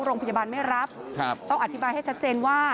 โรงพยาบาลไม่รับต้องอธิบายให้ชัดเจนว่า